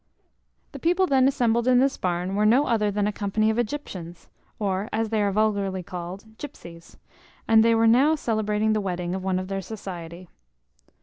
The people then assembled in this barn were no other than a company of Egyptians, or, as they are vulgarly called, gypsies, and they were now celebrating the wedding of one of their society.